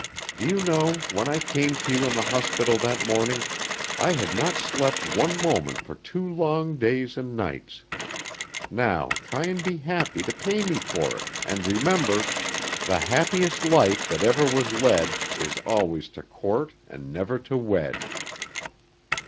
Do you know, when I came to you in the hospital that morning, I had not slept one moment for two long days and nights! Now try and be happy to pay me for it, and remember: "'The happiest life that ever was led Is always to court and never to wed.'"